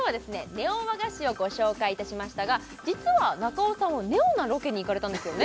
ネオ和菓子をご紹介いたしましたが実は中尾さんはネオなロケに行かれたんですよね？